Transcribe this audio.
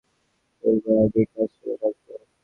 ঠিক করেছিলুম তিনি আপিস থেকে ফেরবার আগেই কাজ সেরে রাখব।